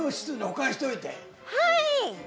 はい！